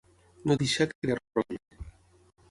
No deixar criar rovell.